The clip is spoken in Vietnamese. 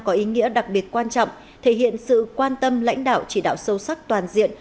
có ý nghĩa đặc biệt quan trọng thể hiện sự quan tâm lãnh đạo chỉ đạo sâu sắc toàn diện